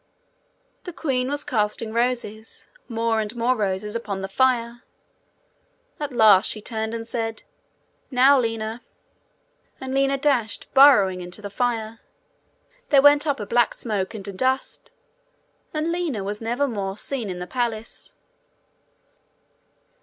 The queen was casting roses, more and more roses, upon the fire. At last she turned and said, 'Now Lina!' and Lina dashed burrowing into the fire. There went up a black smoke and a dust, and Lina was never more seen in the palace.